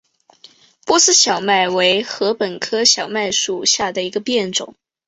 波斯小麦为禾本科小麦属下的一个变种。